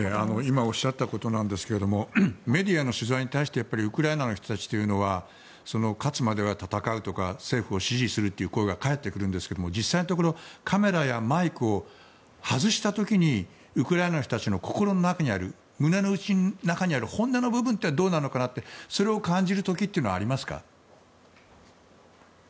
今おっしゃったことなんですけどもメディアの取材に対してウクライナの人たちというのは勝つまでは戦うとか政府を支持するという声が返ってくるんですが実際のところカメラやマイクを外した時にウクライナの人たちの心の中にある、胸の内の中にある本音の部分ってどうなのかなってそれを感じる時はありますか。